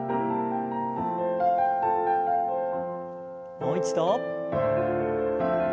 もう一度。